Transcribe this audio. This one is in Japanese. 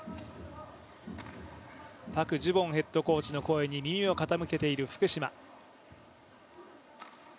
パク・ジュボンヘッドコーチの言葉に耳を傾けている福島。